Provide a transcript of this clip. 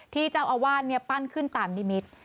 ที่เจ้าอาวาสปั้นขึ้นตามนิมิตร